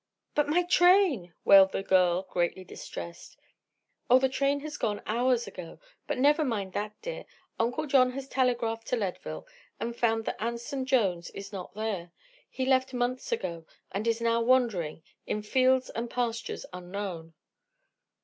"But my train!" wailed the girl, greatly distressed. "Oh, the train has gone hours ago. But never mind that, dear. Uncle John has telegraphed to Leadville and found that Anson Jones is not there. He left months ago, and is now wandering; in fields and pastures unknown."